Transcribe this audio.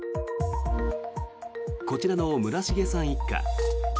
こちらの村重さん一家。